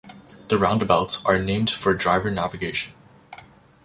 The roundabouts are named for driver navigation.